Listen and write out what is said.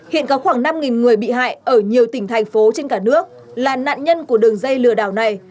hiện có khoảng năm người bị hại ở nhiều tỉnh thành phố trên cả nước là nạn nhân của đường dây lừa đảo này